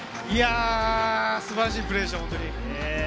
素晴らしいプレーでした。